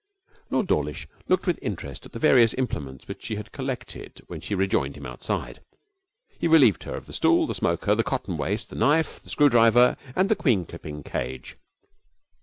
Lord Dawlish looked with interest at the various implements which she had collected when she rejoined him outside. He relieved her of the stool, the smoker, the cotton waste, the knife, the screwdriver, and the queen clipping cage.